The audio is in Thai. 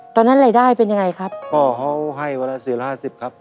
ตอนนั้นรายได้เป็นยังไงครับก็เขาให้วันละสี่ร้อยห้าสิบครับ